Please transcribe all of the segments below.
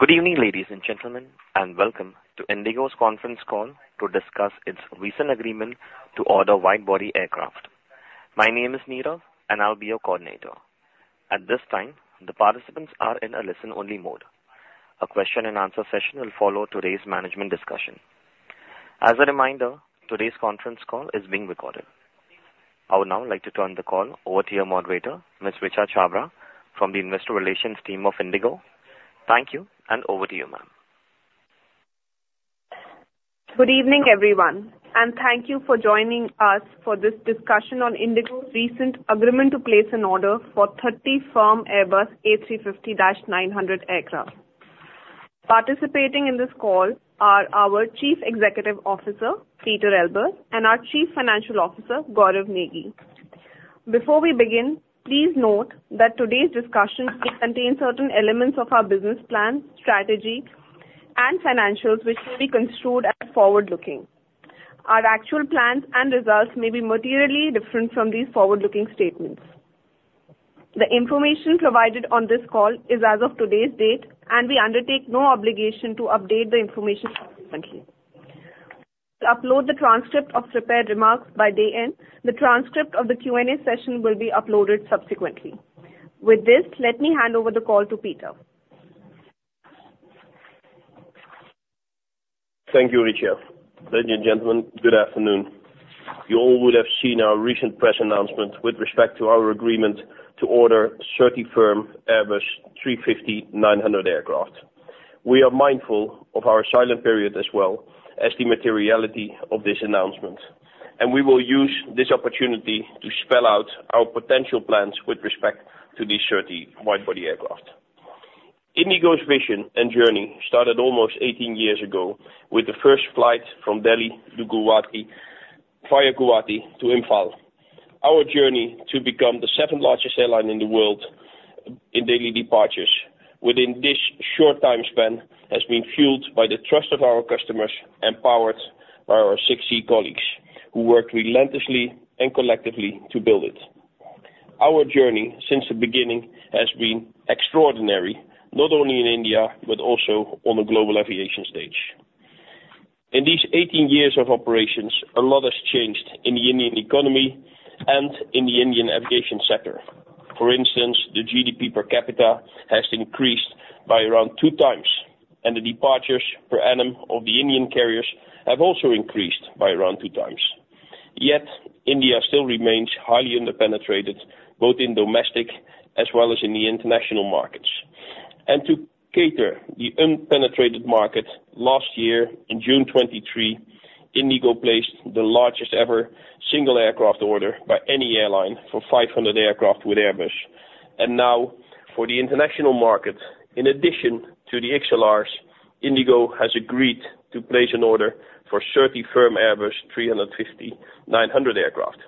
Good evening, ladies and gentlemen, and welcome to IndiGo's conference call to discuss its recent agreement to order widebody aircraft. My name is Nira, and I'll be your coordinator. At this time, the participants are in a listen-only mode. A question-and-answer session will follow today's management discussion. As a reminder, today's conference call is being recorded. I would now like to turn the call over to your moderator, Ms. Richa Chhabra, from the Investor Relations Team of IndiGo. Thank you, and over to you, ma'am. Good evening, everyone, and thank you for joining us for this discussion on IndiGo's recent agreement to place an order for 30 firm Airbus A350-900 aircraft. Participating in this call are our Chief Executive Officer, Pieter Elbers, and our Chief Financial Officer, Gaurav Negi. Before we begin, please note that today's discussion contains certain elements of our business plan, strategy, and financials which should be construed as forward-looking. Our actual plans and results may be materially different from these forward-looking statements. The information provided on this call is as of today's date, and we undertake no obligation to update the information subsequently. We will upload the transcript of prepared remarks by day end. The transcript of the Q&A session will be uploaded subsequently. With this, let me hand over the call to Pieter Elbers. Thank you, Richa. Ladies and gentlemen, good afternoon. You all would have seen our recent press announcement with respect to our agreement to order 30 firm Airbus A350-900 aircraft. We are mindful of our silent period as well as the materiality of this announcement, and we will use this opportunity to spell out our potential plans with respect to these 30 widebody aircraft. IndiGo's vision and journey started almost 18 years ago with the first flight from Delhi via Guwahati to Imphal. Our journey to become the second-largest airline in the world in daily departures within this short time span has been fueled by the trust of our customers and powered by our 60,000 colleagues who worked relentlessly and collectively to build it. Our journey since the beginning has been extraordinary, not only in India but also on the global aviation stage. In these 18 years of operations, a lot has changed in the Indian economy and in the Indian aviation sector. For instance, the GDP per capita has increased by around 2x, and the departures per annum of the Indian carriers have also increased by around 2x. Yet, India still remains highly underpenetrated both in domestic as well as in the international markets. To cater the underpenetrated market, last year, in June 2023, IndiGo placed the largest-ever single aircraft order by any airline for 500 aircraft with Airbus. Now, for the international market, in addition to the XLRs, IndiGo has agreed to place an order for 30 firm Airbus A350-900 aircraft.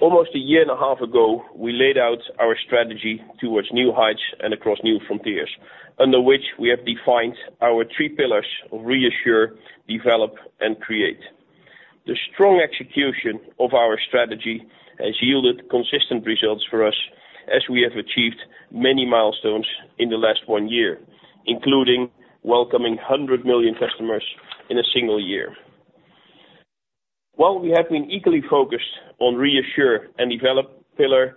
Almost a year and a half ago, we laid out our strategy towards new heights and across new frontiers, under which we have defined our three pillars of Reassure, Develop, and Create. The strong execution of our strategy has yielded consistent results for us as we have achieved many milestones in the last one year, including welcoming 100 million customers in a single year. While we have been equally focused on reassure and develop, a pillar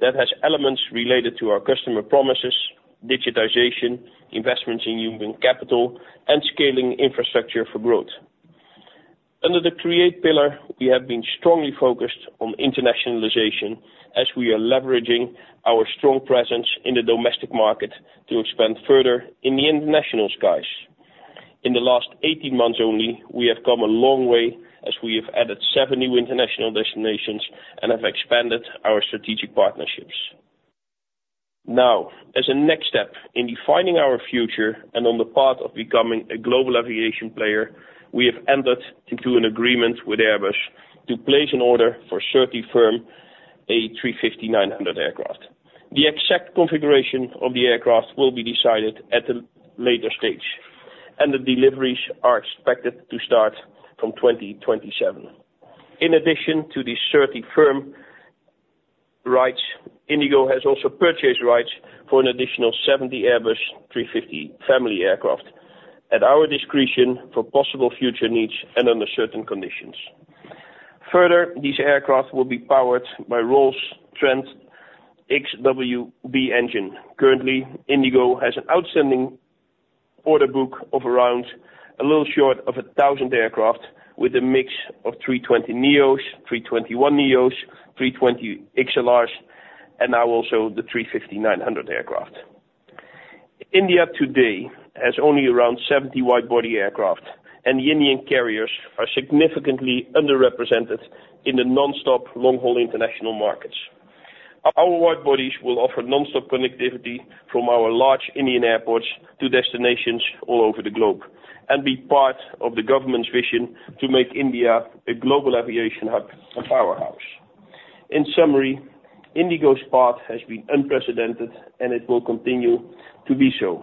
that has elements related to our customer promises, digitization, investments in human capital, and scaling infrastructure for growth. Under the create pillar, we have been strongly focused on internationalization as we are leveraging our strong presence in the domestic market to expand further in the international skies. In the last 18 months only, we have come a long way as we have added seven new international destinations and have expanded our strategic partnerships. Now, as a next step in defining our future and on the path of becoming a global aviation player, we have entered into an agreement with Airbus to place an order for 30 firm A350-900 aircraft. The exact configuration of the aircraft will be decided at a later stage, and the deliveries are expected to start from 2027. In addition to these 30 firm rights, IndiGo has also purchased rights for an additional 70 Airbus A350 family aircraft at our discretion for possible future needs and under certain conditions. Further, these aircraft will be powered by Rolls-Royce Trent XWB engine. Currently, IndiGo has an outstanding order book of around a little short of 1,000 aircraft with a mix of 320 Neos, 321 Neos, 320 XLRs, and now also the 350-900 aircraft. India today has only around 70 widebody aircraft, and the Indian carriers are significantly underrepresented in the nonstop long-haul international markets. Our widebodies will offer nonstop connectivity from our large Indian airports to destinations all over the globe and be part of the government's vision to make India a global aviation hub and powerhouse. In summary, IndiGo's path has been unprecedented, and it will continue to be so.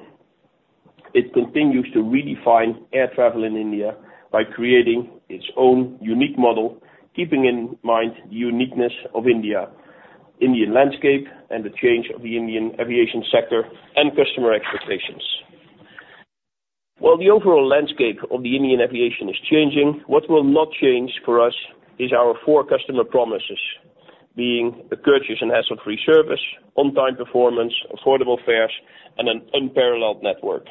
It continues to redefine air travel in India by creating its own unique model, keeping in mind the uniqueness of India, the Indian landscape, and the change of the Indian aviation sector and customer expectations. While the overall landscape of the Indian aviation is changing, what will not change for us is our four customer promises, being a courteous and hassle-free service, on-time performance, affordable fares, and an unparalleled network.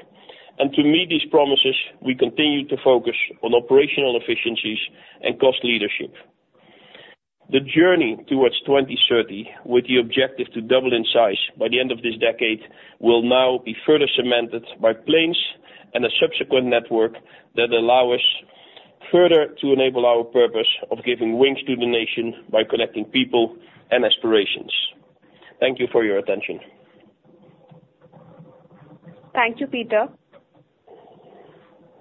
To meet these promises, we continue to focus on operational efficiencies and cost leadership. The journey towards 2030, with the objective to double in size by the end of this decade, will now be further cemented by planes and a subsequent network that allow us further to enable our purpose of giving wings to the nation by connecting people and aspirations. Thank you for your attention. Thank you, Pieter.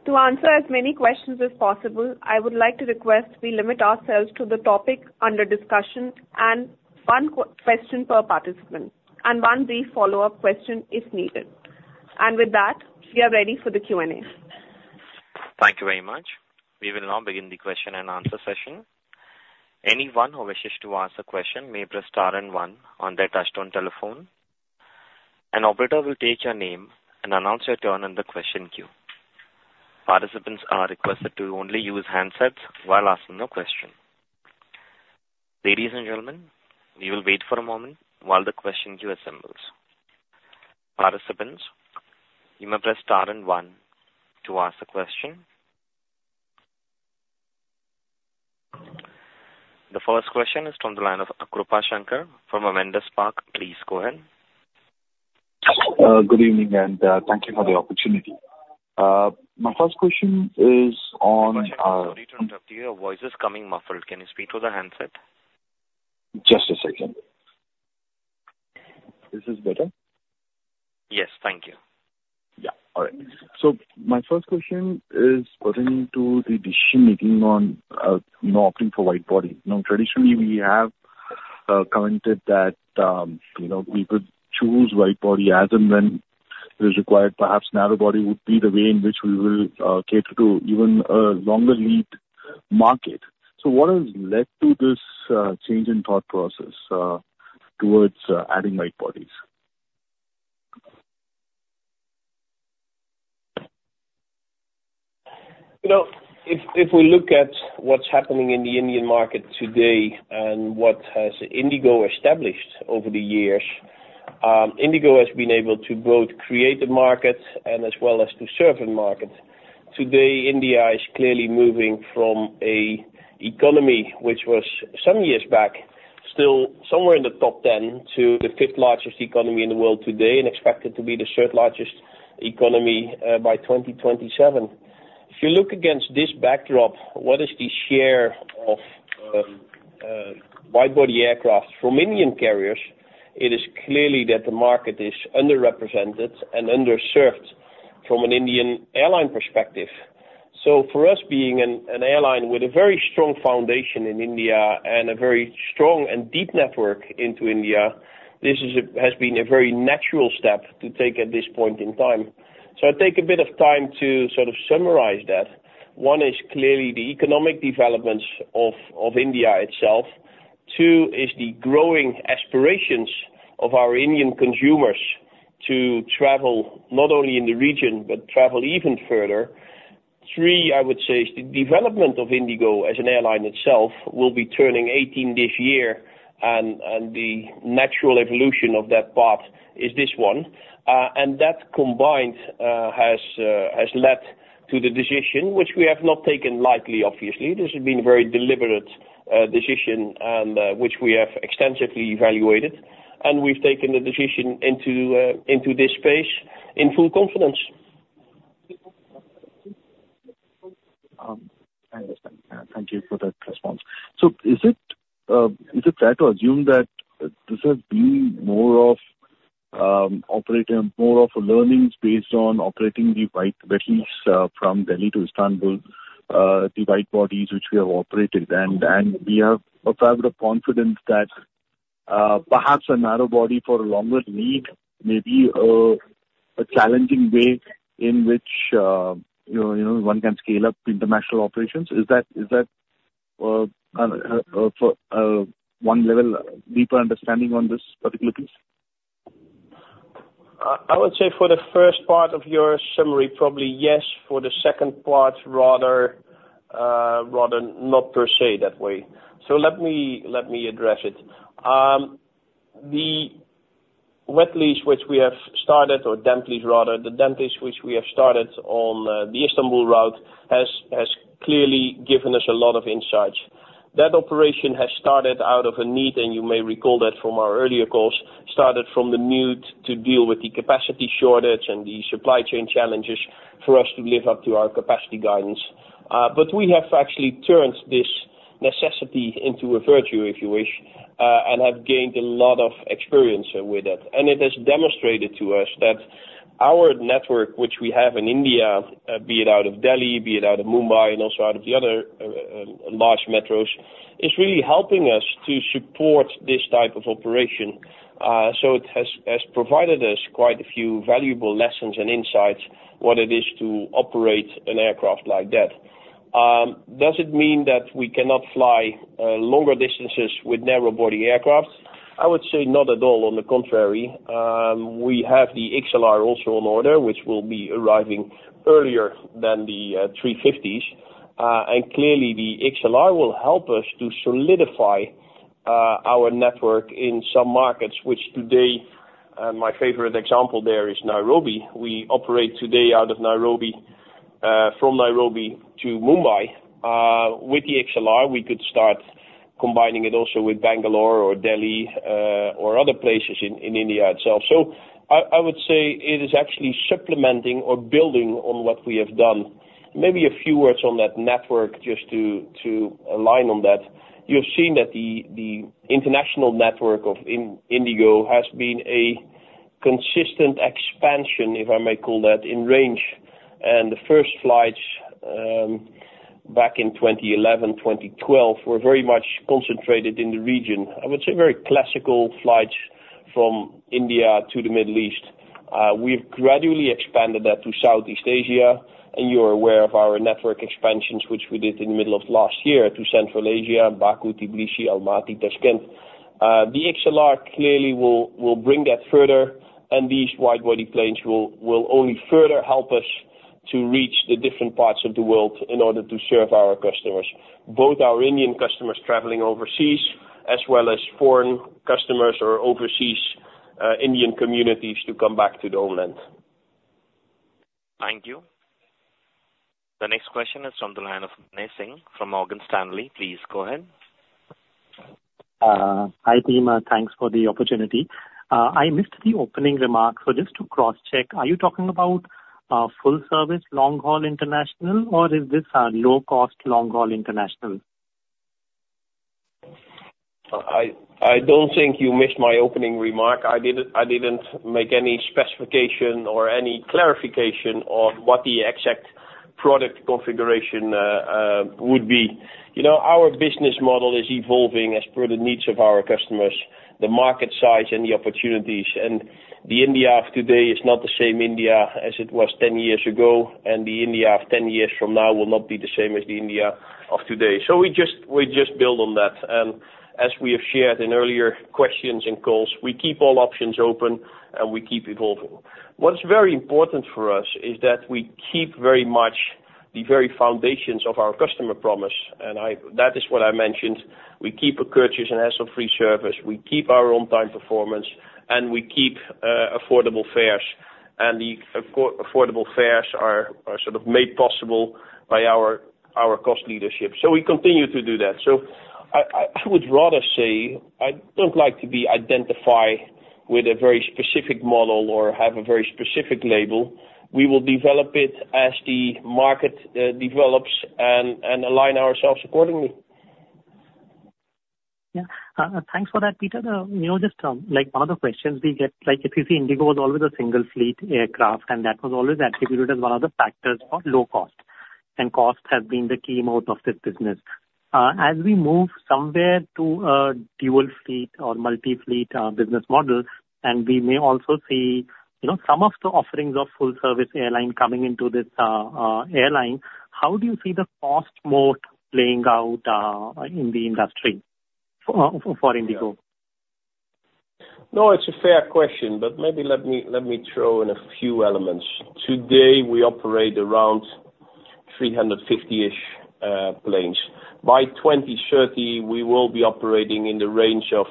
To answer as many questions as possible, I would like to request we limit ourselves to the topic under discussion and one question per participant and one brief follow-up question if needed. With that, we are ready for the Q&A. Thank you very much. We will now begin the question-and-answer session. Anyone who wishes to answer a question may press star and one on their touch-tone telephone. An operator will take your name and announce your turn in the question queue. Participants are requested to only use handsets while asking a question. Ladies and gentlemen, we will wait for a moment while the question queue assembles. Participants, you may press star and one to ask a question. The first question is from the line of Krupa Shankar from Avendus Spark. Please go ahead. Good evening, and thank you for the opportunity. My first question is on. Sorry to interrupt you. Your voice is coming muffled. Can you speak to the handset? Just a second. Is this better? Yes, thank you. Yeah, all right. So my first question is pertaining to the decision-making on not opting for widebody. Traditionally, we have commented that we would choose widebody as and when it is required. Perhaps narrowbody would be the way in which we will cater to even a longer lead market. So what has led to this change in thought process towards adding widebodies? If we look at what's happening in the Indian market today and what has IndiGo established over the years, IndiGo has been able to both create a market and as well as to serve a market. Today, India is clearly moving from an economy which was some years back still somewhere in the top 10 to the fifth-largest economy in the world today and expected to be the third-largest economy by 2027. If you look against this backdrop, what is the share of widebody aircraft from Indian carriers? It is clearly that the market is underrepresented and underserved from an Indian airline perspective. So for us, being an airline with a very strong foundation in India and a very strong and deep network into India, this has been a very natural step to take at this point in time. So I take a bit of time to sort of summarize that. One is clearly the economic developments of India itself. Two is the growing aspirations of our Indian consumers to travel not only in the region but travel even further. Three, I would say, is the development of IndiGo as an airline itself will be turning 18 this year, and the natural evolution of that path is this one. And that combined has led to the decision, which we have not taken lightly, obviously. This has been a very deliberate decision which we have extensively evaluated, and we've taken the decision into this space in full confidence. I understand. Thank you for that response. So is it fair to assume that this has been more of a learning based on operating the widebodies from Delhi to Istanbul, the widebodies which we have operated, and we have a fair bit of confidence that perhaps a narrowbody for a longer lead may be a challenging way in which one can scale up international operations? Is that one level deeper understanding on this particular piece? I would say for the first part of your summary, probably yes. For the second part, rather not per se that way. So let me address it. The widebodies which we have started or damp leases, rather, the damp leases which we have started on the Istanbul route has clearly given us a lot of insights. That operation has started out of a need, and you may recall that from our earlier calls, started from the need to deal with the capacity shortage and the supply chain challenges for us to live up to our capacity guidance. But we have actually turned this necessity into a virtue, if you wish, and have gained a lot of experience with it. And it has demonstrated to us that our network, which we have in India, be it out of Delhi, be it out of Mumbai, and also out of the other large metros, is really helping us to support this type of operation. So it has provided us quite a few valuable lessons and insights on what it is to operate an aircraft like that. Does it mean that we cannot fly longer distances with narrowbody aircraft? I would say not at all. On the contrary, we have the XLR also on order, which will be arriving earlier than the 350s. And clearly, the XLR will help us to solidify our network in some markets which today my favorite example there is Nairobi. We operate today out of Nairobi from Nairobi to Mumbai. With the XLR, we could start combining it also with Bangalore or Delhi or other places in India itself. So I would say it is actually supplementing or building on what we have done. Maybe a few words on that network just to align on that. You've seen that the international network of IndiGo has been a consistent expansion, if I may call that, in range. And the first flights back in 2011, 2012 were very much concentrated in the region, I would say very classical flights from India to the Middle East. We've gradually expanded that to Southeast Asia. And you're aware of our network expansions, which we did in the middle of last year, to Central Asia, Baku, Tbilisi, Almaty, Tashkent. The XLR clearly will bring that further, and these widebody planes will only further help us to reach the different parts of the world in order to serve our customers, both our Indian customers traveling overseas as well as foreign customers or overseas Indian communities to come back to the homeland. Thank you. The next question is from the line of Binay Singh from Morgan Stanley. Please go ahead. Hi Pieter. Thanks for the opportunity. I missed the opening remark. Just to cross-check, are you talking about full-service long-haul international, or is this low-cost long-haul international? I don't think you missed my opening remark. I didn't make any specification or any clarification on what the exact product configuration would be. Our business model is evolving as per the needs of our customers, the market size, and the opportunities. And the India of today is not the same India as it was 10 years ago, and the India of 10 years from now will not be the same as the India of today. So we just build on that. And as we have shared in earlier questions and calls, we keep all options open, and we keep evolving. What's very important for us is that we keep very much the very foundations of our customer promise. And that is what I mentioned. We keep a courteous and hassle-free service. We keep our on-time performance, and we keep affordable fares. The affordable fares are sort of made possible by our cost leadership. So we continue to do that. So I would rather say I don't like to identify with a very specific model or have a very specific label. We will develop it as the market develops and align ourselves accordingly. Yeah. Thanks for that, Pieter. Just one of the questions we get if you see, IndiGo was always a single-fleet aircraft, and that was always attributed as one of the factors for low cost. And cost has been the key moat of this business. As we move somewhere to a dual-fleet or multi-fleet business model, and we may also see some of the offerings of full-service airline coming into this airline, how do you see the cost moat playing out in the industry for IndiGo? No, it's a fair question, but maybe let me throw in a few elements. Today, we operate around 350-ish planes. By 2030, we will be operating in the range of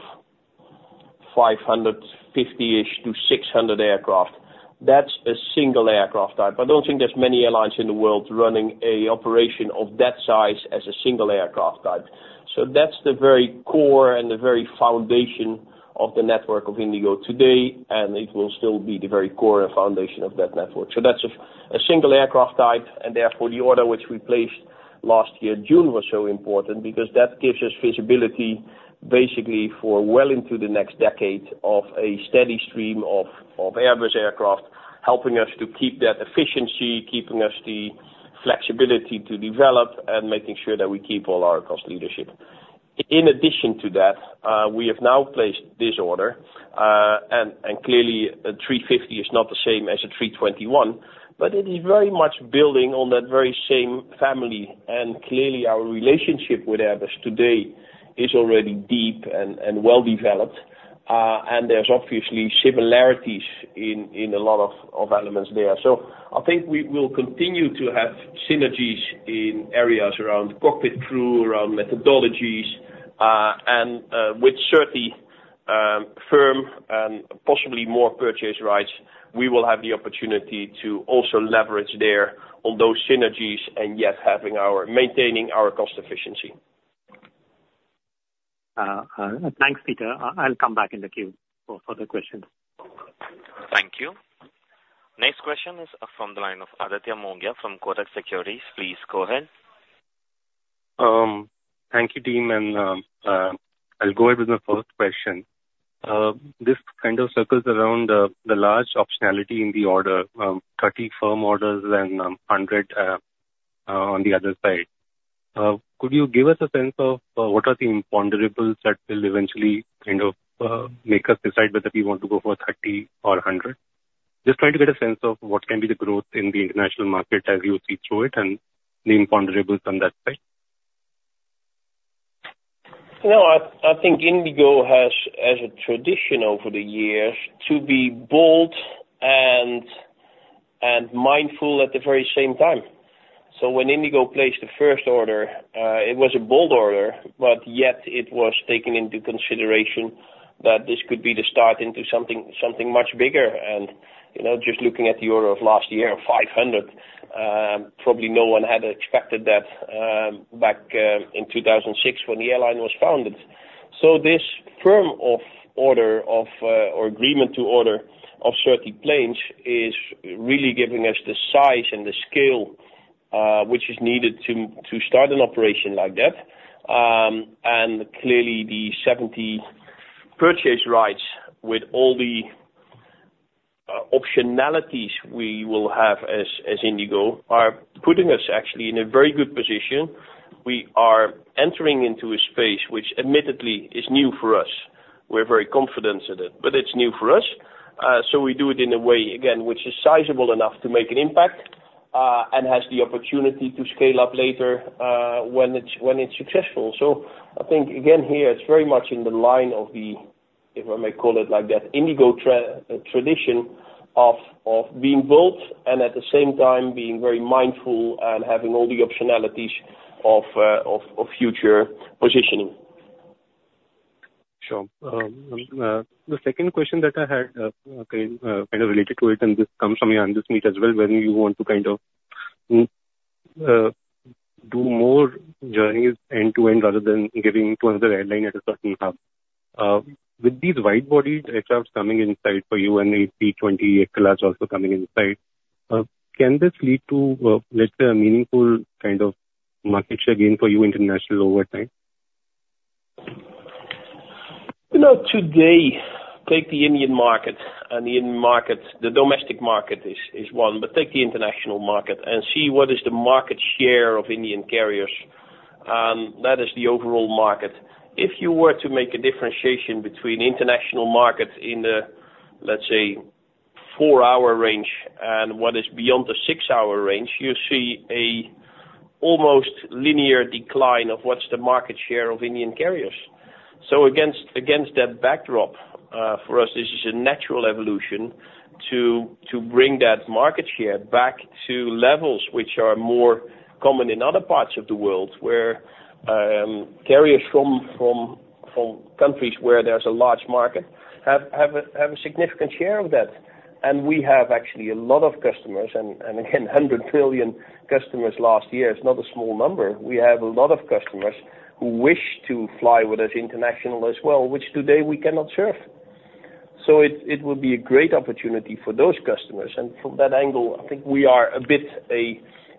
550-ish to 600 aircraft. That's a single aircraft type. I don't think there's many airlines in the world running an operation of that size as a single aircraft type. So that's the very core and the very foundation of the network of IndiGo today, and it will still be the very core and foundation of that network. So that's a single aircraft type. And therefore, the order which we placed last year, June, was so important because that gives us visibility basically for well into the next decade of a steady stream of Airbus aircraft helping us to keep that efficiency, keeping us the flexibility to develop, and making sure that we keep all our cost leadership. In addition to that, we have now placed this order. Clearly, an A350 is not the same as an A321, but it is very much building on that very same family. Clearly, our relationship with Airbus today is already deep and well-developed. There's obviously similarities in a lot of elements there. I think we will continue to have synergies in areas around cockpit crew, around methodologies. With certain firm and possibly more purchase rights, we will have the opportunity to also leverage there on those synergies and yet maintaining our cost efficiency. Thanks, Pieter. I'll come back in the queue for further questions. Thank you. Next question is from the line of Aditya Mongia from Kotak Securities. Please go ahead. Thank you, team. I'll go ahead with my first question. This kind of circles around the large optionality in the order, 30 firm orders and 100 on the other side. Could you give us a sense of what are the imponderables that will eventually kind of make us decide whether we want to go for 30 or 100? Just trying to get a sense of what can be the growth in the international market as you see through it and the imponderables on that side. I think IndiGo has a tradition over the years to be bold and mindful at the very same time. So when IndiGo placed the first order, it was a bold order, but yet it was taken into consideration that this could be the start into something much bigger. Just looking at the order of last year of 500, probably no one had expected that back in 2006 when the airline was founded. So this firm order or agreement to order of 30 planes is really giving us the size and the scale which is needed to start an operation like that. Clearly, the 70 purchase rights with all the optionalities we will have as IndiGo are putting us actually in a very good position. We are entering into a space which admittedly is new for us. We're very confident in it, but it's new for us. So we do it in a way, again, which is sizable enough to make an impact and has the opportunity to scale up later when it's successful. So I think, again, here, it's very much in the line of the, if I may call it like that, IndiGo tradition of being bold and at the same time being very mindful and having all the optionalities of future positioning. Sure. The second question that I had kind of related to it, and this comes from you on this meet as well, when you want to kind of do more journeys end-to-end rather than giving to another airline at a certain hub. With these widebody aircraft coming inside for you and the A320 aircraft also coming inside, can this lead to, let's say, a meaningful kind of market share gain for you international over time? Today, take the Indian market. And the domestic market is one. But take the international market and see what is the market share of Indian carriers. That is the overall market. If you were to make a differentiation between international markets in the, let's say, four-hour range and what is beyond the six-hour range, you see an almost linear decline of what's the market share of Indian carriers. So against that backdrop, for us, this is a natural evolution to bring that market share back to levels which are more common in other parts of the world where carriers from countries where there's a large market have a significant share of that. And we have actually a lot of customers. And again, 100 million customers last year is not a small number. We have a lot of customers who wish to fly with us international as well, which today we cannot serve. So it would be a great opportunity for those customers. And from that angle, I think we are a bit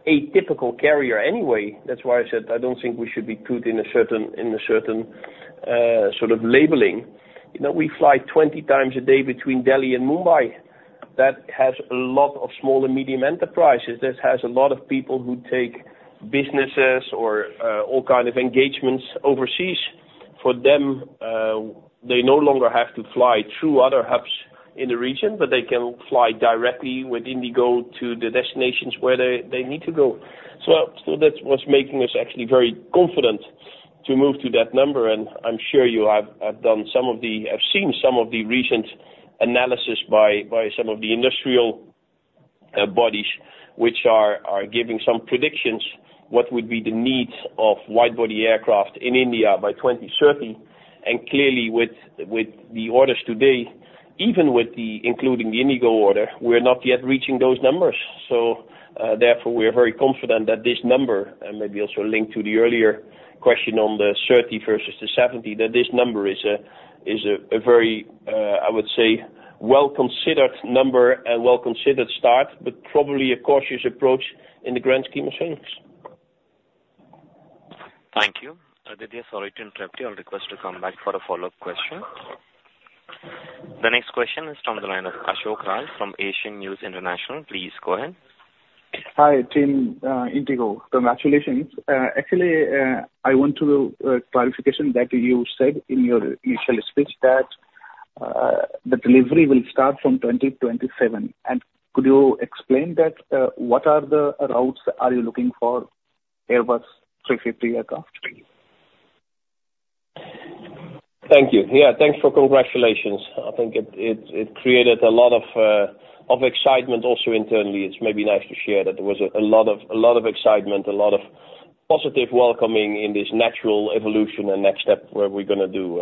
atypical carrier anyway. That's why I said I don't think we should be put in a certain sort of labeling. We fly 20 times a day between Delhi and Mumbai. That has a lot of small and medium enterprises. That has a lot of people who take businesses or all kind of engagements overseas. For them, they no longer have to fly through other hubs in the region, but they can fly directly with IndiGo to the destinations where they need to go. So that was making us actually very confident to move to that number. And I'm sure you have done some of the. I've seen some of the recent analysis by some of the industrial bodies which are giving some predictions what would be the needs of widebody aircraft in India by 2030. And clearly, with the orders today, even including the IndiGo order, we're not yet reaching those numbers. So therefore, we are very confident that this number and maybe also linked to the earlier question on the 30 versus the 70, that this number is a very, I would say, well-considered number and well-considered start but probably a cautious approach in the grand scheme of things. Thank you. Aditya Soritan Trapti, I'll request to come back for a follow-up question. The next question is from the line of Ashoke Raj from Asian News International. Please go ahead. Hi, team IndiGo. Congratulations. Actually, I want to do a clarification that you said in your initial speech that the delivery will start from 2027. Could you explain what are the routes are you looking for Airbus A350 aircraft? Thank you. Yeah. Thanks for congratulations. I think it created a lot of excitement also internally. It's maybe nice to share that there was a lot of excitement, a lot of positive welcoming in this natural evolution and next step where we're going to do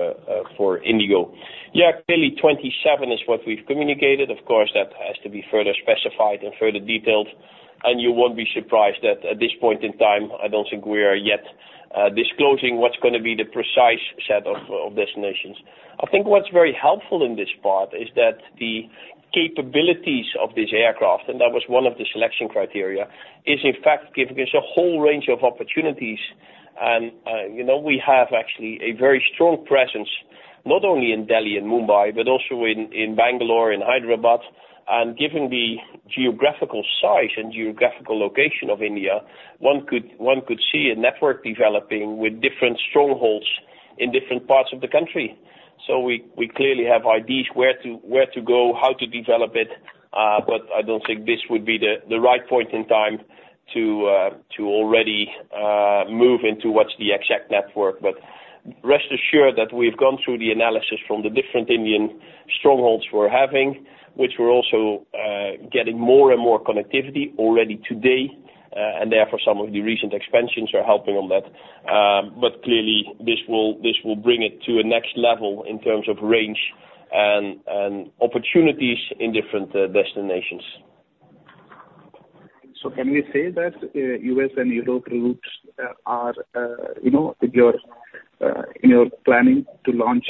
for IndiGo. Yeah. Clearly, 27 is what we've communicated. Of course, that has to be further specified and further detailed. And you won't be surprised that at this point in time, I don't think we are yet disclosing what's going to be the precise set of destinations. I think what's very helpful in this part is that the capabilities of this aircraft - and that was one of the selection criteria - is, in fact, giving us a whole range of opportunities. And we have actually a very strong presence not only in Delhi and Mumbai but also in Bangalore, in Hyderabad. Given the geographical size and geographical location of India, one could see a network developing with different strongholds in different parts of the country. We clearly have ideas where to go, how to develop it. I don't think this would be the right point in time to already move into what's the exact network. Rest assured that we've gone through the analysis from the different Indian strongholds we're having, which we're also getting more and more connectivity already today. Therefore, some of the recent expansions are helping on that. Clearly, this will bring it to a next level in terms of range and opportunities in different destinations. Can you say that U.S. and Europe routes are in your planning to launch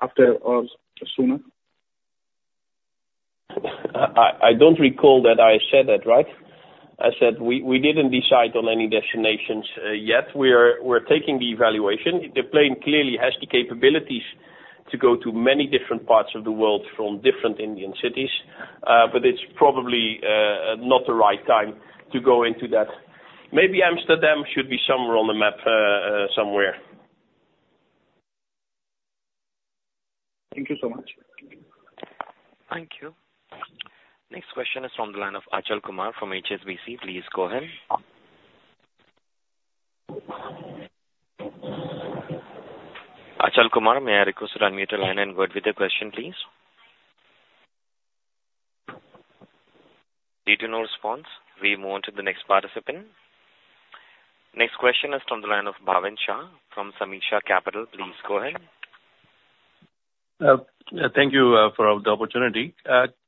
after or sooner? I don't recall that I said that right. I said we didn't decide on any destinations yet. We're taking the evaluation. The plane clearly has the capabilities to go to many different parts of the world from different Indian cities. But it's probably not the right time to go into that. Maybe Amsterdam should be somewhere on the map somewhere. Thank you so much. Thank you. Next question is from the line of Ajay Kumar from HSBC. Please go ahead. Ajay Kumar, may I request to unmute the line and go ahead with the question, please? Due to no response, we move on to the next participant. Next question is from the line of Bhavin Shah from Sameeksha Capital. Please go ahead. Thank you for the opportunity.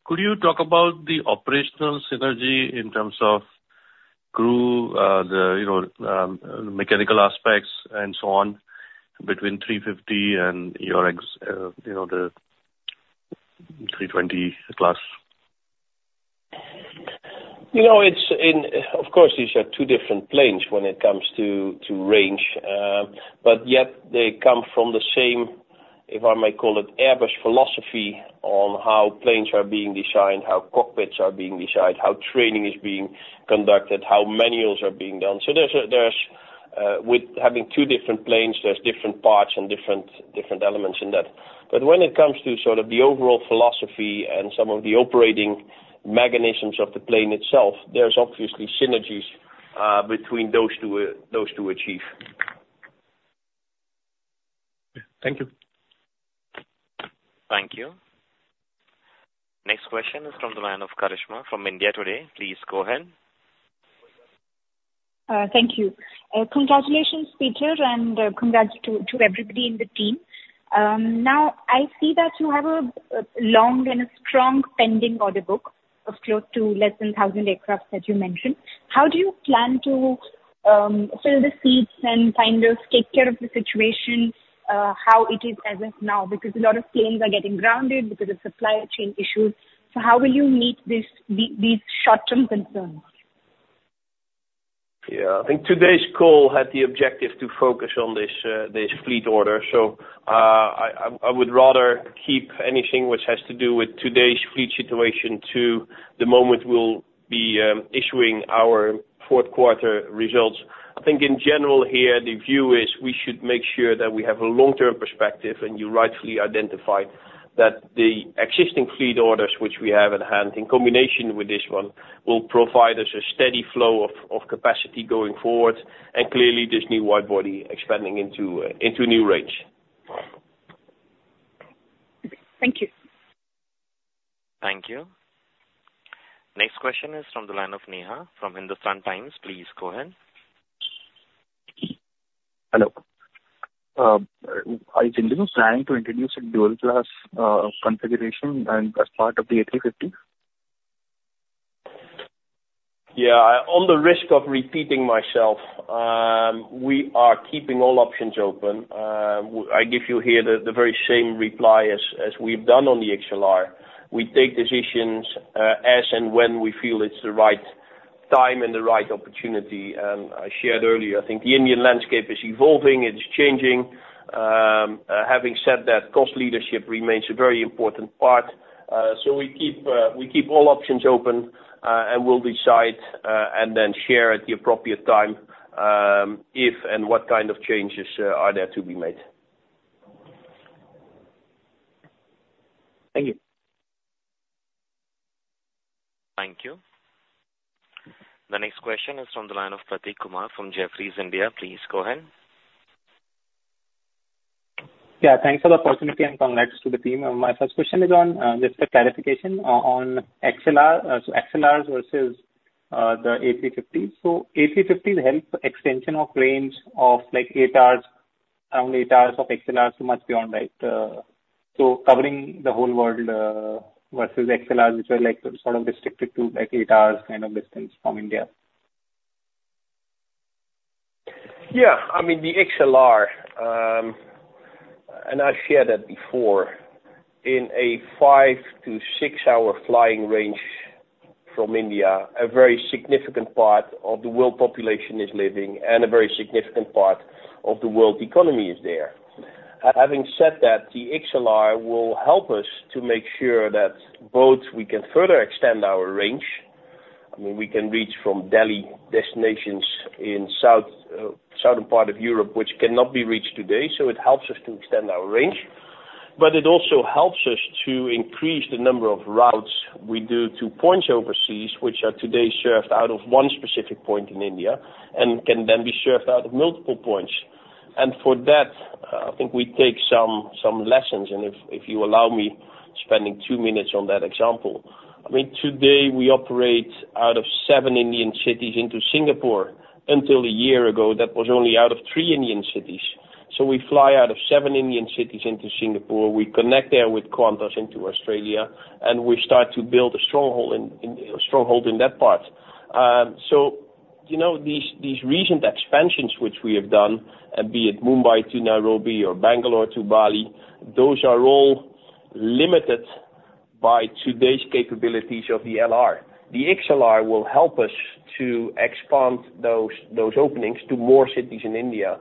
Could you talk about the operational synergy in terms of crew, the mechanical aspects, and so on between 350 and the 320 class? Of course, these are two different planes when it comes to range. But yet, they come from the same, if I may call it, Airbus philosophy on how planes are being designed, how cockpits are being designed, how training is being conducted, how manuals are being done. So with having two different planes, there's different parts and different elements in that. But when it comes to sort of the overall philosophy and some of the operating mechanisms of the plane itself, there's obviously synergies between those two achieve. Thank you. Thank you. Next question is from the line of Karishma from India Today. Please go ahead. Thank you. Congratulations, Pieter, and congrats to everybody in the team. Now, I see that you have a long and a strong pending order book of close to less than 1,000 aircraft that you mentioned. How do you plan to fill the seats and kind of take care of the situation, how it is as of now? Because a lot of planes are getting grounded because of supply chain issues. So how will you meet these short-term concerns? Yeah. I think today's call had the objective to focus on this fleet order. So I would rather keep anything which has to do with today's fleet situation to the moment we'll be issuing our fourth quarter results. I think in general, here, the view is we should make sure that we have a long-term perspective. And you rightfully identified that the existing fleet orders which we have at hand in combination with this one will provide us a steady flow of capacity going forward. And clearly, this new widebody expanding into new range. Thank you. Thank you. Next question is from the line of Neha from Hindustan Times. Please go ahead. Hello. Is IndiGo planning to introduce a dual-class configuration as part of the A350? Yeah. On the risk of repeating myself, we are keeping all options open. I give you here the very same reply as we've done on the XLR. We take decisions as and when we feel it's the right time and the right opportunity. And I shared earlier, I think the Indian landscape is evolving. It's changing. Having said that, cost leadership remains a very important part. So we keep all options open and will decide and then share at the appropriate time if and what kind of changes are there to be made. Thank you. Thank you. The next question is from the line of Prateek Kumar from Jefferies India. Please go ahead. Yeah. Thanks for the opportunity and congrats to the team. My first question is just a clarification on XLR versus the A350. So A350s help extension of range of around eight hours of XLRs to much beyond that, so covering the whole world versus XLRs which are sort of restricted to eight hours kind of distance from India? Yeah. I mean, the XLR, and I shared that before, in a fiver-six-hour flying range from India, a very significant part of the world population is living, and a very significant part of the world economy is there. Having said that, the XLR will help us to make sure that both we can further extend our range. I mean, we can reach from Delhi destinations in the southern part of Europe which cannot be reached today. So it helps us to extend our range. But it also helps us to increase the number of routes we do to points overseas which are today served out of one specific point in India and can then be served out of multiple points. And for that, I think we take some lessons. If you allow me spending two minutes on that example, I mean, today, we operate out of seven Indian cities into Singapore. Until a year ago, that was only out of three Indian cities. So we fly out of seven Indian cities into Singapore. We connect there with Qantas into Australia. And we start to build a stronghold in that part. So these recent expansions which we have done, be it Mumbai to Nairobi or Bangalore to Bali, those are all limited by today's capabilities of the LR. The XLR will help us to expand those openings to more cities in India.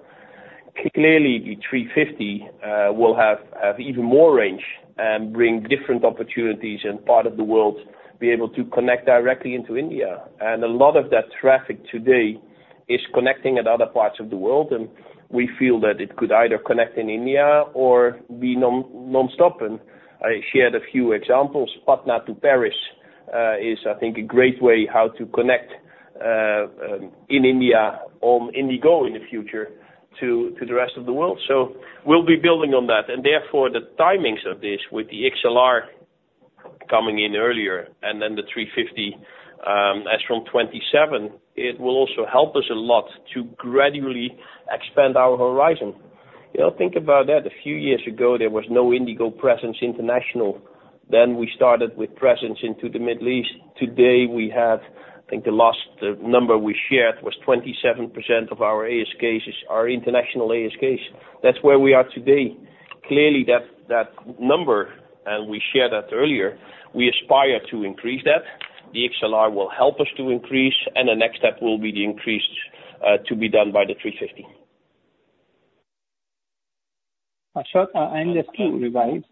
Clearly, the 350 will have even more range and bring different opportunities and part of the world be able to connect directly into India. And a lot of that traffic today is connecting at other parts of the world. We feel that it could either connect in India or be nonstop. I shared a few examples. Patna to Paris is, I think, a great way how to connect in India on IndiGo in the future to the rest of the world. So we'll be building on that. Therefore, the timings of this with the XLR coming in earlier and then the 350 as from 2027, it will also help us a lot to gradually expand our horizon. Think about that. A few years ago, there was no IndiGo presence international. Then we started with presence into the Middle East. Today, we have I think the number we shared was 27% of our international ASKs. That's where we are today. Clearly, that number - and we shared that earlier - we aspire to increase that. The XLR will help us to increase. The next step will be the increase to be done by the 350. Ashok, I understood. Revise.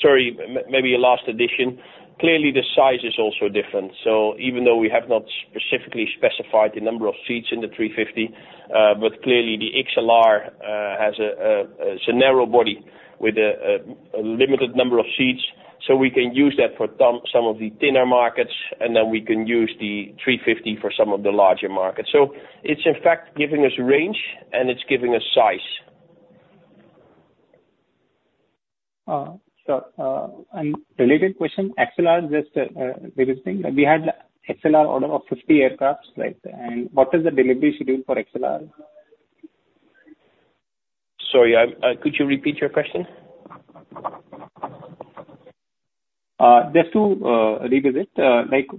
Sorry. Maybe a last addition. Clearly, the size is also different. So even though we have not specifically specified the number of seats in the 350, but clearly, the XLR has a narrow body with a limited number of seats. So we can use that for some of the thinner markets. And then we can use the 350 for some of the larger markets. So it's, in fact, giving us range. And it's giving us size. So a related question, XLR just revisiting. We had XLR order of 50 aircraft. And what is the delivery schedule for XLR? Sorry. Could you repeat your question? Just to revisit,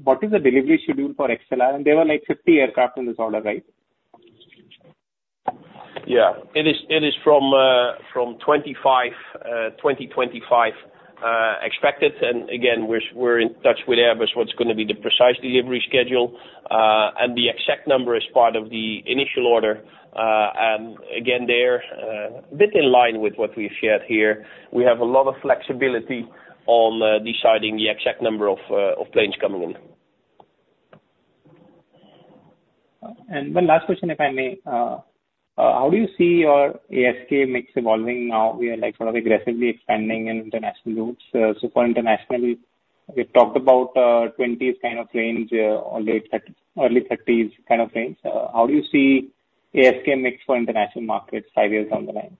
what is the delivery schedule for XLR? There were 50 aircraft in this order, right? Yeah. It is from 2025 expected. And again, we're in touch with Airbus what's going to be the precise delivery schedule. And the exact number is part of the initial order. And again, they're a bit in line with what we've shared here. We have a lot of flexibility on deciding the exact number of planes coming in. One last question, if I may. How do you see your ASK mix evolving now? We are sort of aggressively expanding in international routes. So for international, we've talked about 20s kind of range, early 30s kind of range. How do you see ASK mix for international markets 5 years down the line?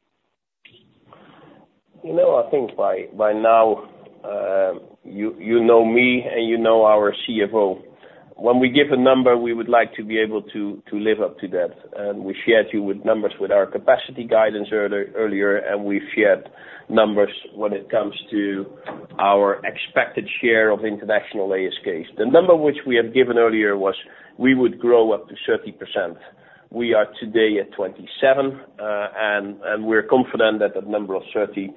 I think by now, you know me. And you know our CFO. When we give a number, we would like to be able to live up to that. And we shared you with numbers with our capacity guidance earlier. And we've shared numbers when it comes to our expected share of international ASKs. The number which we have given earlier was we would grow up to 30%. We are today at 27%. And we're confident that that number of 30%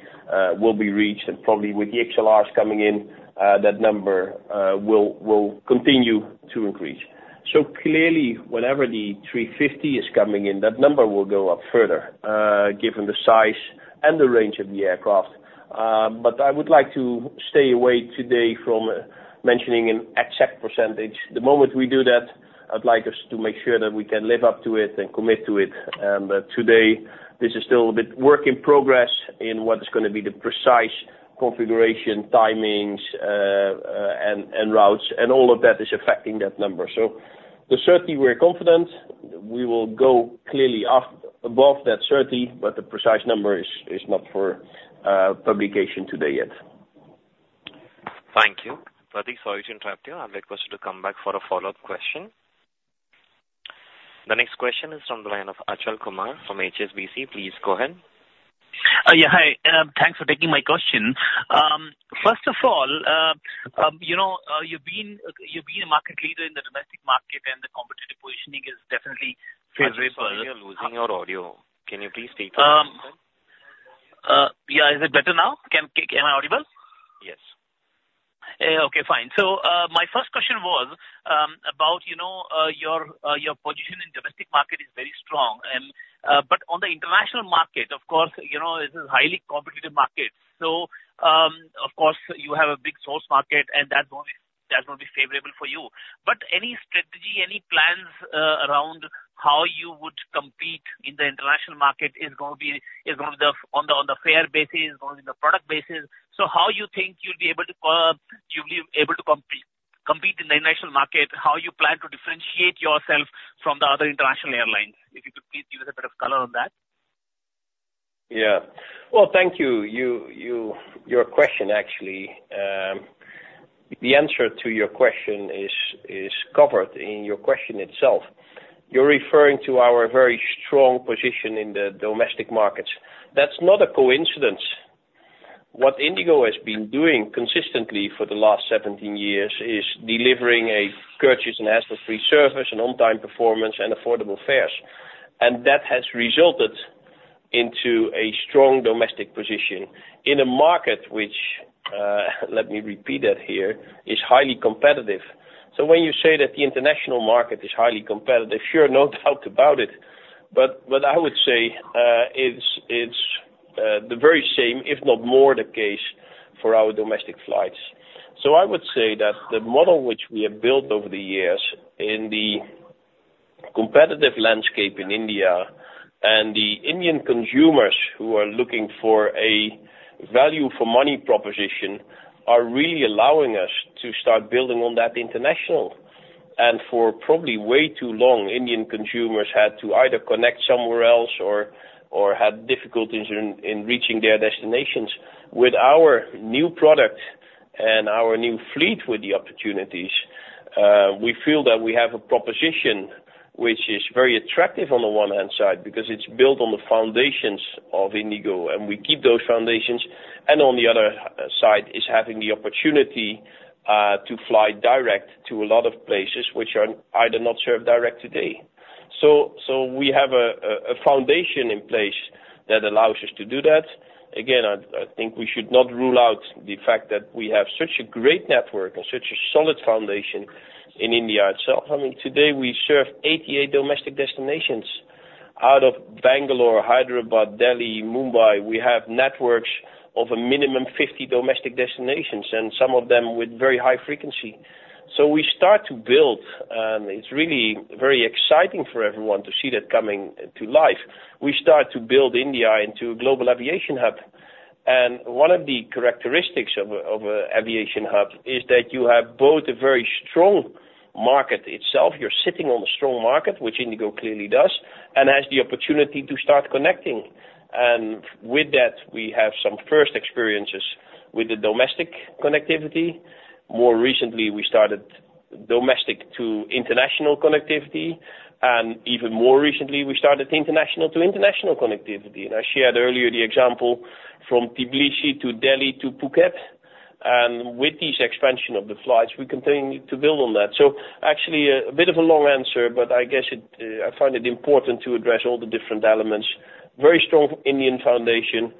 will be reached. And probably with the XLRs coming in, that number will continue to increase. So clearly, whenever the 350 is coming in, that number will go up further given the size and the range of the aircraft. But I would like to stay away today from mentioning an exact percentage. The moment we do that, I'd like us to make sure that we can live up to it and commit to it. But today, this is still a bit work in progress in what is going to be the precise configuration, timings, and routes. And all of that is affecting that number. So the 30, we're confident. We will go clearly above that 30. But the precise number is not for publication today yet. Thank you, Prateek. Sorry to interrupt you. I'd request you to come back for a follow-up question. The next question is from the line of Ajal Kumar from HSBC. Please go ahead. Yeah. Hi. Thanks for taking my question. First of all, you've been a market leader in the domestic market. The competitive positioning is definitely favorable. Sorry. You're losing your audio. Can you please speak for a second? Yeah. Is it better now? Am I audible? Yes. Okay. Fine. So my first question was about your position in domestic market is very strong. But on the international market, of course, this is a highly competitive market. So of course, you have a big source market. And that's going to be favorable for you. But any strategy, any plans around how you would compete in the international market is going to be on the fare basis, going to be on the product basis. So how you think you'll be able to compete in the international market, how you plan to differentiate yourself from the other international airlines? If you could please give us a bit of color on that. Yeah. Well, thank you. Your question, actually, the answer to your question is covered in your question itself. You're referring to our very strong position in the domestic markets. That's not a coincidence. What IndiGo has been doing consistently for the last 17 years is delivering a gorgeous and hassle-free service and on-time performance and affordable fares. And that has resulted into a strong domestic position in a market which, let me repeat that here, is highly competitive. So when you say that the international market is highly competitive, sure, no doubt about it. But what I would say is it's the very same, if not more, the case for our domestic flights. So I would say that the model which we have built over the years in the competitive landscape in India and the Indian consumers who are looking for a value-for-money proposition are really allowing us to start building on that international. And for probably way too long, Indian consumers had to either connect somewhere else or had difficulties in reaching their destinations. With our new product and our new fleet with the opportunities, we feel that we have a proposition which is very attractive on the one hand side because it's built on the foundations of IndiGo. And we keep those foundations. And on the other side is having the opportunity to fly direct to a lot of places which are either not served direct today. So we have a foundation in place that allows us to do that. Again, I think we should not rule out the fact that we have such a great network and such a solid foundation in India itself. I mean, today, we serve 88 domestic destinations. Out of Bangalore, Hyderabad, Delhi, Mumbai, we have networks of a minimum 50 domestic destinations and some of them with very high frequency. So we start to build and it's really very exciting for everyone to see that coming to life. We start to build India into a global aviation hub. And one of the characteristics of an aviation hub is that you have both a very strong market itself. You're sitting on a strong market which IndiGo clearly does and has the opportunity to start connecting. And with that, we have some first experiences with the domestic connectivity. More recently, we started domestic to international connectivity. And even more recently, we started international to international connectivity. I shared earlier the example from Tbilisi to Delhi to Phuket. With this expansion of the flights, we continue to build on that. Actually, a bit of a long answer. I guess I find it important to address all the different elements: very strong Indian foundation,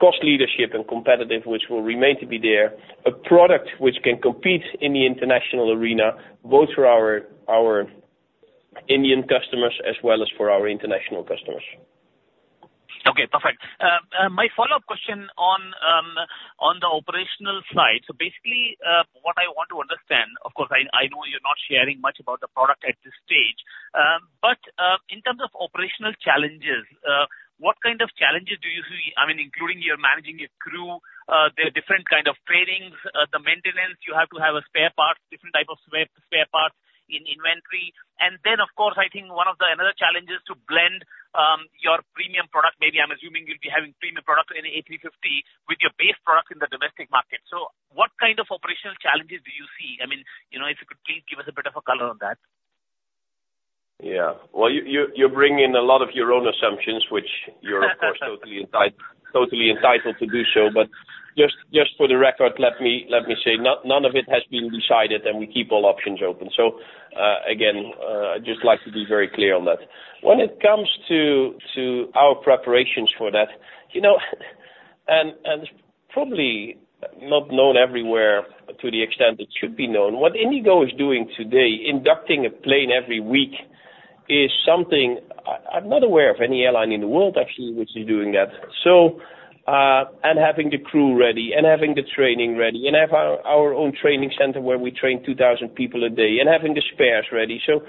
cost leadership and competitive which will remain to be there, a product which can compete in the international arena both for our Indian customers as well as for our international customers. Okay. Perfect. My follow-up question on the operational side, so basically, what I want to understand, of course, I know you're not sharing much about the product at this stage. But in terms of operational challenges, what kind of challenges do you see? I mean, including you're managing your crew, the different kind of trainings, the maintenance. You have to have a spare part, different type of spare parts in inventory. And then, of course, I think one of the other challenges to blend your premium product maybe I'm assuming you'll be having premium product in the A350 with your base product in the domestic market. So what kind of operational challenges do you see? I mean, if you could please give us a bit of a color on that. Yeah. Well, you're bringing in a lot of your own assumptions which you're, of course, totally entitled to do so. But just for the record, let me say none of it has been decided. We keep all options open. So again, I'd just like to be very clear on that. When it comes to our preparations for that and it's probably not known everywhere to the extent it should be known. What IndiGo is doing today, inducting a plane every week, is something I'm not aware of any airline in the world, actually, which is doing that and having the crew ready and having the training ready and have our own training center where we train 2,000 people a day and having the spares ready. So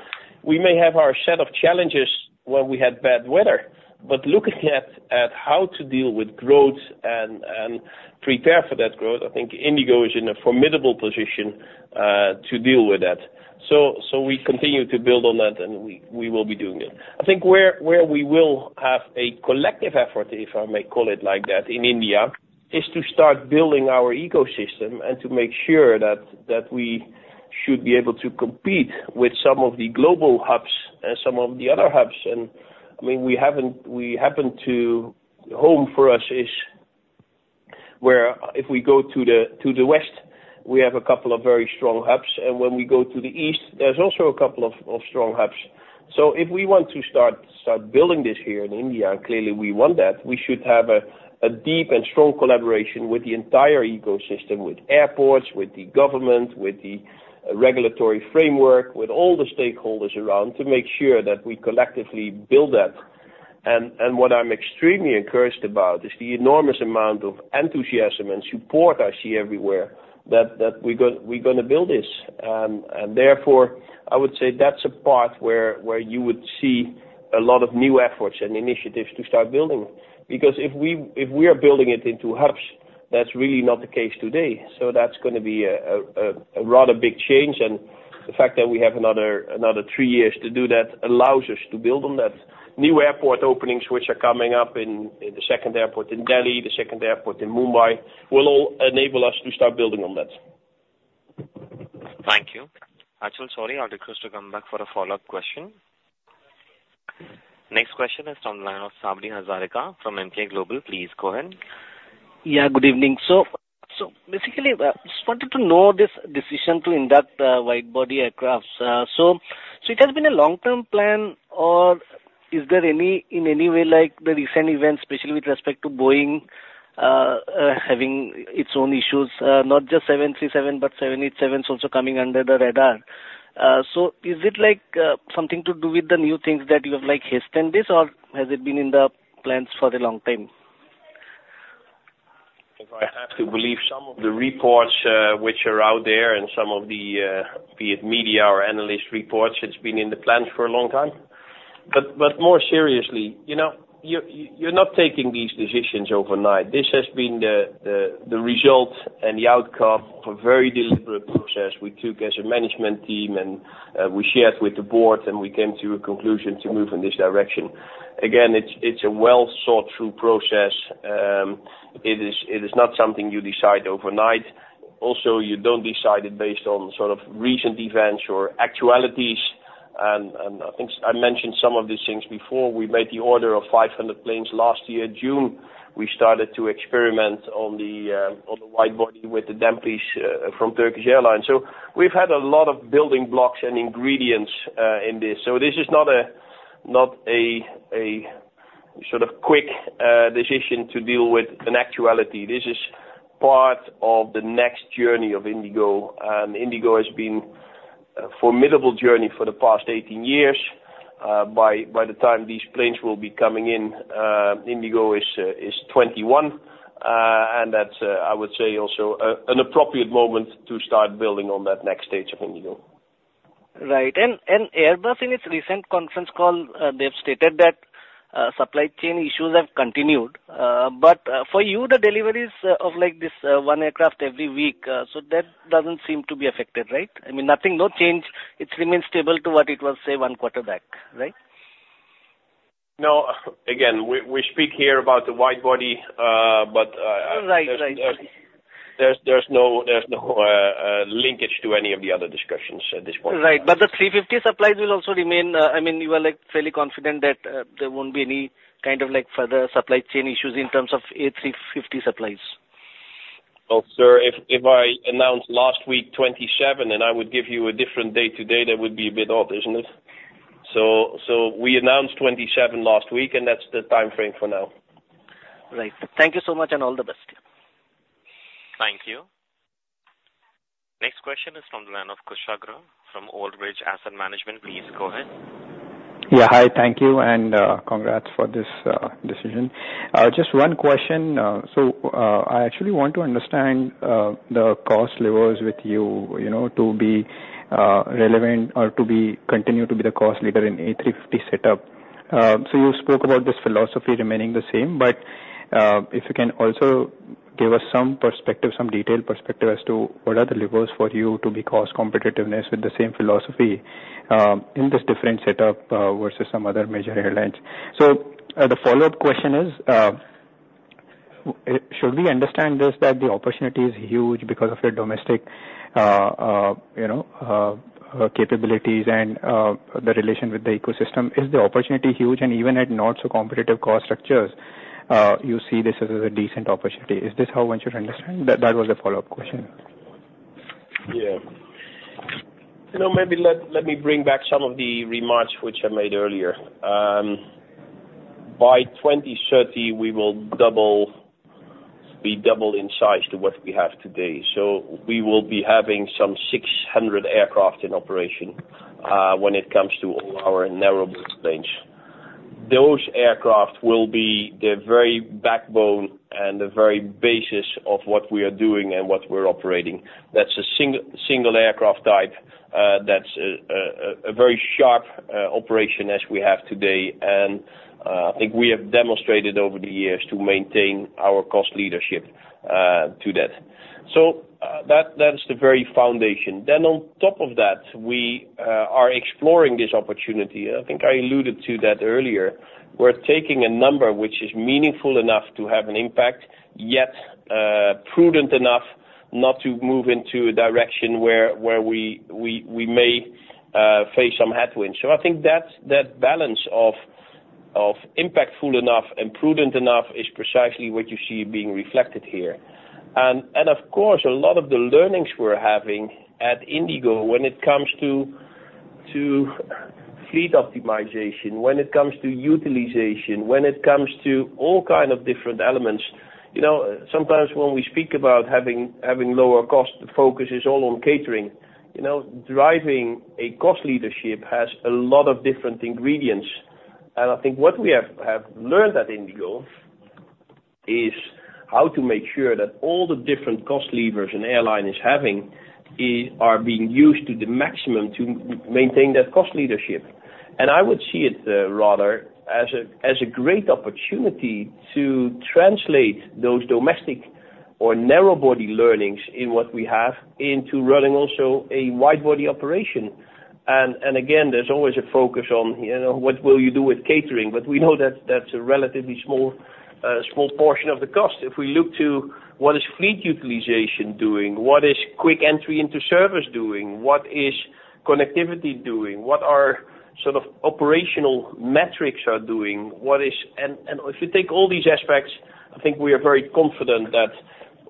we may have our set of challenges when we had bad weather. But looking at how to deal with growth and prepare for that growth, I think IndiGo is in a formidable position to deal with that. So we continue to build on that. And we will be doing it. I think where we will have a collective effort, if I may call it like that, in India is to start building our ecosystem and to make sure that we should be able to compete with some of the global hubs and some of the other hubs. And I mean, we happen to home for us is where if we go to the west, we have a couple of very strong hubs. And when we go to the east, there's also a couple of strong hubs. If we want to start building this here in India and clearly, we want that, we should have a deep and strong collaboration with the entire ecosystem, with airports, with the government, with the regulatory framework, with all the stakeholders around to make sure that we collectively build that. What I'm extremely encouraged about is the enormous amount of enthusiasm and support I see everywhere that we're going to build this. Therefore, I would say that's a part where you would see a lot of new efforts and initiatives to start building because if we are building it into hubs, that's really not the case today. That's going to be a rather big change. The fact that we have another three years to do that allows us to build on that. New airport openings which are coming up in the second airport in Delhi, the second airport in Mumbai will all enable us to start building on that. Thank you. Ashok, sorry. I'll request to come back for a follow-up question. Next question is from the line of Sabri Hazarika from Emkay Global. Please go ahead. Yeah. Good evening. So basically, I just wanted to know this decision to induct widebody aircraft. So it has been a long-term plan? Or is there in any way the recent events, especially with respect to Boeing having its own issues, not just 737 but 787s also coming under the radar? So is it something to do with the new things that you have hastened this? Or has it been in the plans for a long time? If I have to believe some of the reports which are out there and some of the be it media or analyst reports, it's been in the plans for a long time. But more seriously, you're not taking these decisions overnight. This has been the result and the outcome of a very deliberate process we took as a management team. We shared with the board. We came to a conclusion to move in this direction. Again, it's a well-thought-through process. It is not something you decide overnight. Also, you don't decide it based on sort of recent events or actualities. I think I mentioned some of these things before. We made the order of 500 planes last year, June. We started to experiment on the widebody with the damp leases from Turkish Airlines. We've had a lot of building blocks and ingredients in this. So this is not a sort of quick decision to deal with an actuality. This is part of the next journey of IndiGo. And IndiGo has been a formidable journey for the past 18 years. By the time these planes will be coming in, IndiGo is 21. And that's, I would say, also an appropriate moment to start building on that next stage of IndiGo. Right. And Airbus, in its recent conference call, they've stated that supply chain issues have continued. But for you, the deliveries of this one aircraft every week, so that doesn't seem to be affected, right? I mean, no change. It remains stable to what it was, say, one quarter back, right? No. Again, we speak here about the widebody. But there's no linkage to any of the other discussions at this point. Right. But the 350 supplies will also remain, I mean, you are fairly confident that there won't be any kind of further supply chain issues in terms of A350 supplies? Well, sir, if I announced last week 27 and I would give you a different date today, that would be a bit odd, isn't it? So we announced 27 last week. That's the time frame for now. Right. Thank you so much. All the best. Thank you. Next question is from the line of Khushagra from Old Bridge Asset Management. Please go ahead. Yeah. Hi. Thank you. And congrats for this decision. Just one question. So I actually want to understand the cost levers with you to be relevant or to continue to be the cost leader in A350 setup. So you spoke about this philosophy remaining the same. But if you can also give us some perspective, some detailed perspective as to what are the levers for you to be cost competitiveness with the same philosophy in this different setup versus some other major airlines. So the follow-up question is, should we understand this that the opportunity is huge because of your domestic capabilities and the relation with the ecosystem? Is the opportunity huge? And even at not-so-competitive cost structures, you see this as a decent opportunity. Is this how one should understand? That was the follow-up question. Yeah. Maybe let me bring back some of the remarks which I made earlier. By 2030, we will be double in size to what we have today. So we will be having some 600 aircraft in operation when it comes to all our narrow-body planes. Those aircraft will be the very backbone and the very basis of what we are doing and what we're operating. That's a single aircraft type. That's a very sharp operation as we have today. And I think we have demonstrated over the years to maintain our cost leadership to that. So that is the very foundation. Then on top of that, we are exploring this opportunity. I think I alluded to that earlier. We're taking a number which is meaningful enough to have an impact yet prudent enough not to move into a direction where we may face some headwinds. So I think that balance of impactful enough and prudent enough is precisely what you see being reflected here. And of course, a lot of the learnings we're having at IndiGo when it comes to fleet optimization, when it comes to utilization, when it comes to all kind of different elements sometimes when we speak about having lower cost, the focus is all on catering. Driving a cost leadership has a lot of different ingredients. And I think what we have learned at IndiGo is how to make sure that all the different cost levers an airline is having are being used to the maximum to maintain that cost leadership. And I would see it rather as a great opportunity to translate those domestic or narrow-body learnings in what we have into running also a widebody operation. And again, there's always a focus on what will you do with catering? But we know that that's a relatively small portion of the cost. If we look to what is fleet utilization doing, what is quick entry into service doing, what is connectivity doing, what our sort of operational metrics are doing, what is and if you take all these aspects, I think we are very confident that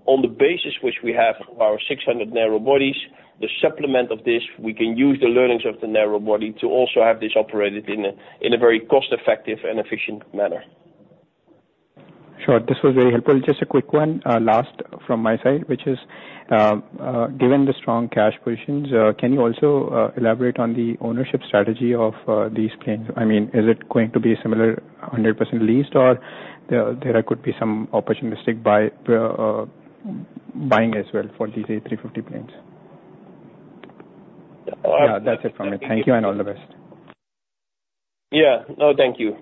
on the basis which we have of our 600 narrow bodies, the supplement of this, we can use the learnings of the narrow body to also have this operated in a very cost-effective and efficient manner. Sure. This was very helpful. Just a quick one last from my side which is, given the strong cash positions, can you also elaborate on the ownership strategy of these planes? I mean, is it going to be a similar 100% lease? Or there could be some opportunistic buying as well for these A350 planes? Yeah. That's it from me. Thank you. All the best. Yeah. No. Thank you.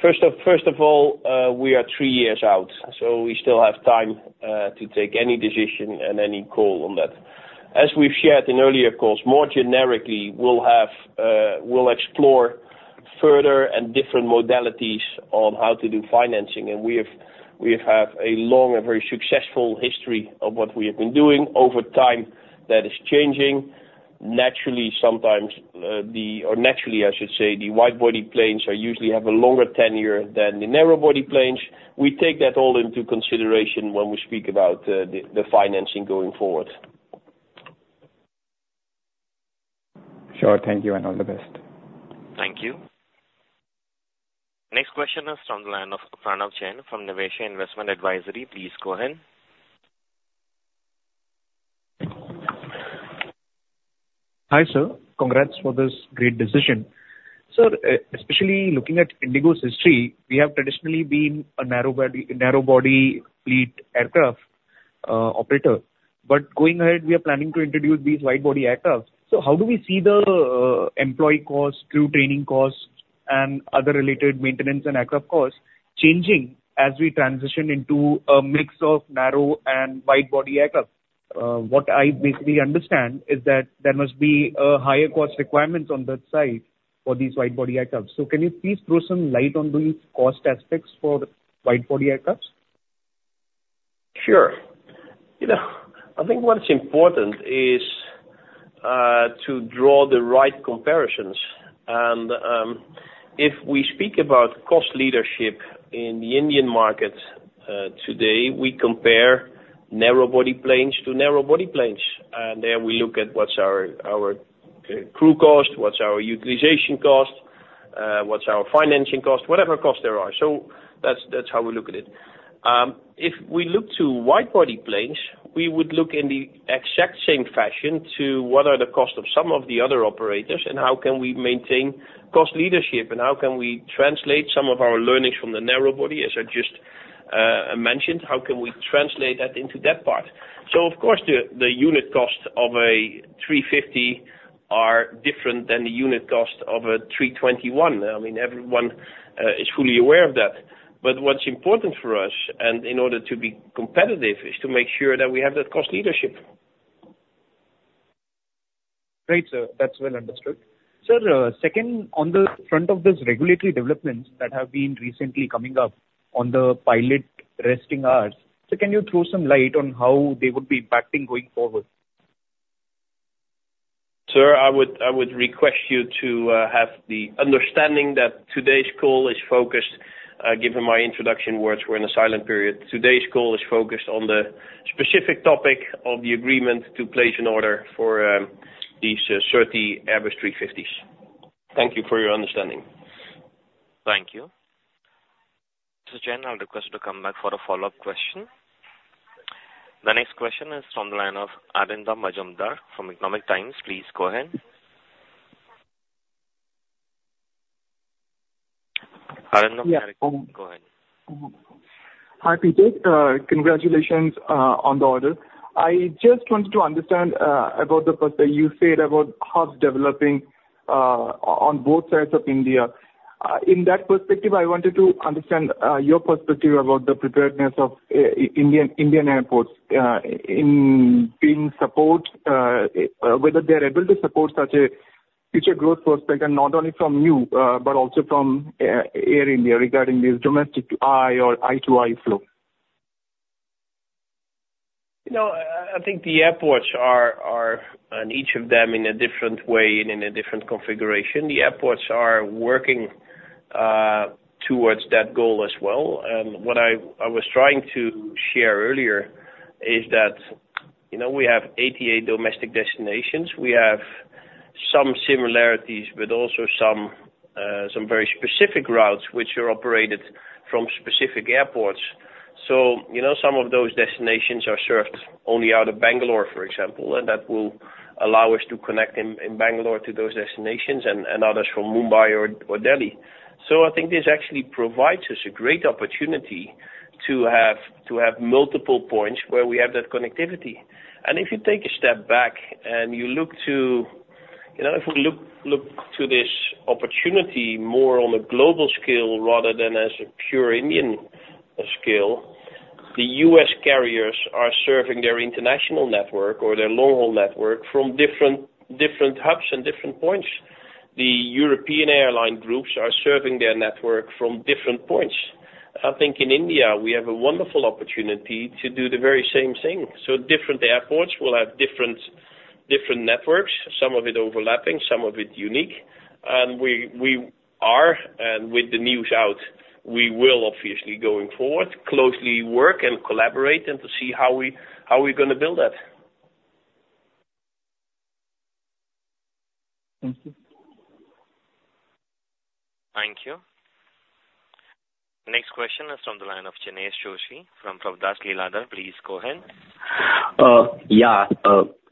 First of all, we are three years out. So we still have time to take any decision and any call on that. As we've shared in earlier calls, more generically, we'll explore further and different modalities on how to do financing. And we have had a long and very successful history of what we have been doing. Over time, that is changing. Naturally, sometimes the or naturally, I should say, the widebody planes usually have a longer tenure than the narrow-body planes. We take that all into consideration when we speak about the financing going forward. Sure. Thank you. All the best. Thank you. Next question is from the line of Pranav Kshatriya from Navasha Investment Advisory. Please go ahead. Hi, sir. Congrats for this great decision. Sir, especially looking at IndiGo's history, we have traditionally been a narrow-body fleet aircraft operator. But going ahead, we are planning to introduce these widebody aircraft. So how do we see the employee cost, crew training cost, and other related maintenance and aircraft costs changing as we transition into a mix of narrow and widebody aircraft? What I basically understand is that there must be higher cost requirements on that side for these widebody aircraft. So can you please throw some light on these cost aspects for widebody aircraft? Sure. I think what's important is to draw the right comparisons. And if we speak about cost leadership in the Indian market today, we compare narrow-body planes to narrow-body planes. And there, we look at what's our crew cost, what's our utilization cost, what's our financing cost, whatever cost there are. So that's how we look at it. If we look to widebody planes, we would look in the exact same fashion to what are the costs of some of the other operators? And how can we maintain cost leadership? And how can we translate some of our learnings from the narrow body? As I just mentioned, how can we translate that into that part? So of course, the unit costs of a 350 are different than the unit cost of a 321. I mean, everyone is fully aware of that. What's important for us and in order to be competitive is to make sure that we have that cost leadership. Great, sir. That's well understood. Sir, second, on the front of these regulatory developments that have been recently coming up on the pilot resting hours, so can you throw some light on how they would be impacting going forward? Sir, I would request you to have the understanding that today's call is focused, given my introduction words, we're in a silent period. Today's call is focused on the specific topic of the agreement to place an order for these 30 Airbus 350s. Thank you for your understanding. Thank you. Mr. Chen, I'll request you to come back for a follow-up question. The next question is from the line of Arindam Majumdar from Economic Times. Please go ahead. Arindam Majumdar, go ahead. Hi, Pieter. Congratulations on the order. I just wanted to understand about what you said about hubs developing on both sides of India. In that perspective, I wanted to understand your perspective about the preparedness of Indian airports in supporting whether they're able to support such a future growth prospect and not only from you but also from Air India regarding this domestic to I or I to I flow. I think the airports are and each of them in a different way and in a different configuration. The airports are working towards that goal as well. What I was trying to share earlier is that we have 88 domestic destinations. We have some similarities but also some very specific routes which are operated from specific airports. Some of those destinations are served only out of Bangalore, for example. That will allow us to connect in Bangalore to those destinations and others from Mumbai or Delhi. I think this actually provides us a great opportunity to have multiple points where we have that connectivity. And if you take a step back and we look to this opportunity more on a global scale rather than as a pure Indian scale, the US carriers are serving their international network or their long-haul network from different hubs and different points. The European airline groups are serving their network from different points. I think in India, we have a wonderful opportunity to do the very same thing. So different airports will have different networks, some of it overlapping, some of it unique. And with the news out, we will obviously going forward closely work and collaborate and to see how we're going to build that. Thank you. Thank you. Next question is from the line of Jinesh Joshi from Prabhudas Lilladher. Please go ahead. Yeah.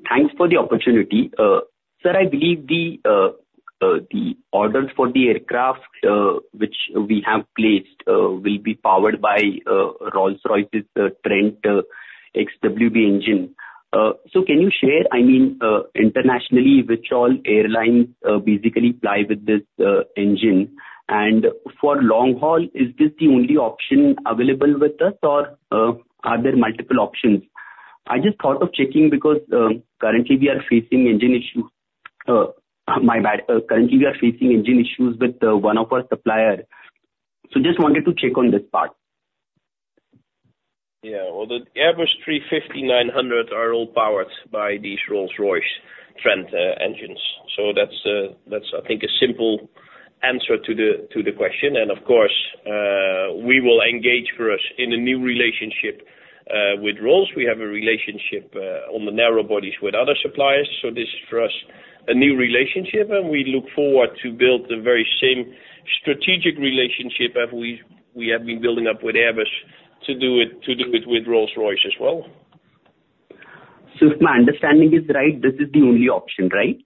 Thanks for the opportunity. Sir, I believe the orders for the aircraft which we have placed will be powered by Rolls-Royce's Trent XWB engine. So can you share, I mean, internationally, which all airlines basically fly with this engine? And for long-haul, is this the only option available with us? Or are there multiple options? I just thought of checking because currently, we are facing engine issues. My bad. Currently, we are facing engine issues with one of our suppliers. So just wanted to check on this part. Yeah. Well, the Airbus A350-900 are all powered by these Rolls-Royce Trent engines. So that's, I think, a simple answer to the question. And of course, we will engage first in a new relationship with Rolls. We have a relationship on the narrow bodies with other suppliers. So this is for us a new relationship. And we look forward to build the very same strategic relationship as we have been building up with Airbus to do it with Rolls-Royce as well. So if my understanding is right, this is the only option, right?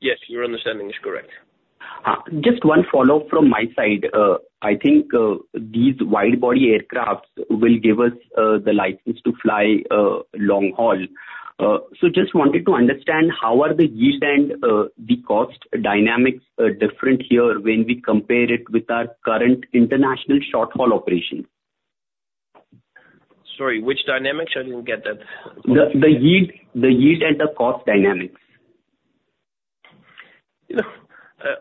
Yes. Your understanding is correct. Just one follow-up from my side. I think these widebody aircraft will give us the license to fly long-haul. So just wanted to understand, how are the yield and the cost dynamics different here when we compare it with our current international short-haul operations? Sorry. Which dynamics? I didn't get that. The yield and the cost dynamics.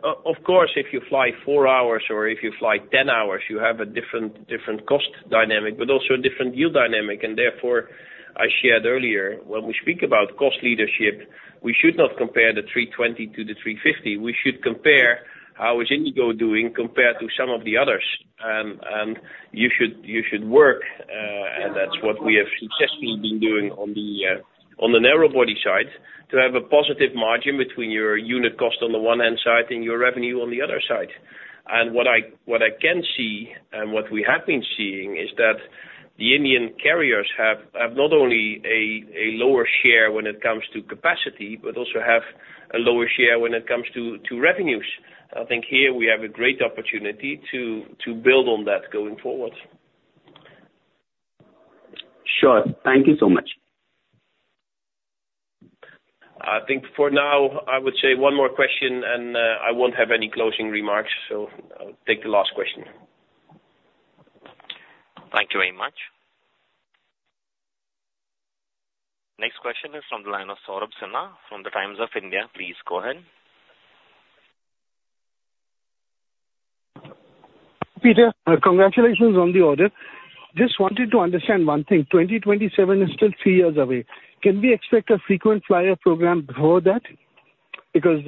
Of course, if you fly four hours or if you fly 10 hours, you have a different cost dynamic but also a different yield dynamic. Therefore, I shared earlier, when we speak about cost leadership, we should not compare the 320 to the 350. We should compare how is IndiGo doing compared to some of the others. And you should work. That's what we have successfully been doing on the narrow-body side to have a positive margin between your unit cost on the one-hand side and your revenue on the other side. What I can see and what we have been seeing is that the Indian carriers have not only a lower share when it comes to capacity but also have a lower share when it comes to revenues. I think here, we have a great opportunity to build on that going forward. Sure. Thank you so much. I think for now, I would say one more question. I won't have any closing remarks. I'll take the last question. Thank you very much. Next question is from the line of Saurabh Sinha from The Times of India. Please go ahead. Pieter, congratulations on the order. Just wanted to understand one thing. 2027 is still three years away. Can we expect a frequent flyer program before that? Because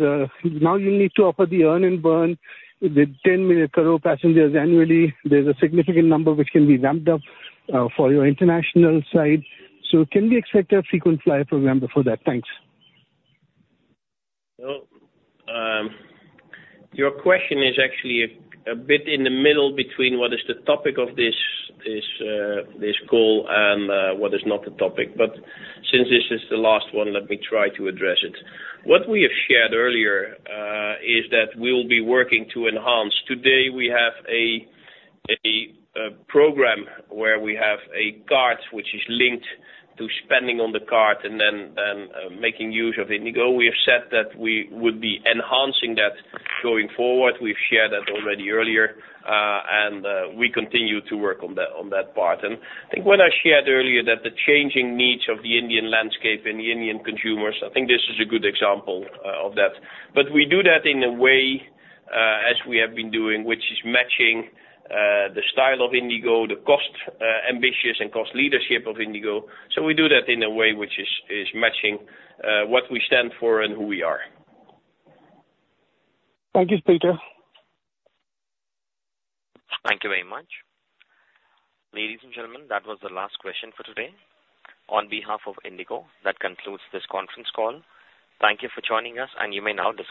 now, you need to offer the earn and burn with 10 million cargo passengers annually. There's a significant number which can be ramped up for your international side. So can we expect a frequent flyer program before that? Thanks. Your question is actually a bit in the middle between what is the topic of this call and what is not the topic. But since this is the last one, let me try to address it. What we have shared earlier is that we will be working to enhance today. We have a program where we have a card which is linked to spending on the card and then making use of IndiGo. We have said that we would be enhancing that going forward. We've shared that already earlier. We continue to work on that part. I think when I shared earlier that the changing needs of the Indian landscape and the Indian consumers. I think this is a good example of that. But we do that in a way as we have been doing which is matching the style of IndiGo, the cost ambitions, and cost leadership of IndiGo. So we do that in a way which is matching what we stand for and who we are. Thank you, Pieter. Thank you very much. Ladies and gentlemen, that was the last question for today. On behalf of IndiGo, that concludes this conference call. Thank you for joining us. You may now take.